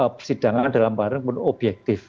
persidangan dalam barang pun objektif